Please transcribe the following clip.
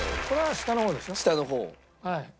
下の方？